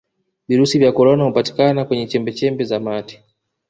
virusi vya korona hupatikana kwenye chembechembe za mate